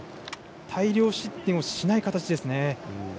大量失点をしない形ですね。